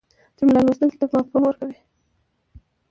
جمله لوستونکي ته مفهوم ورکوي.